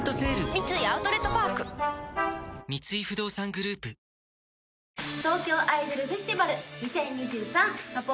三井アウトレットパーク三井不動産グループこんばんは。